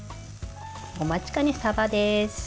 お待ちかね、さばです。